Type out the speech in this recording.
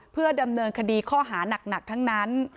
เพื่อดำเนินคดีข้อหานักทั้งนั้น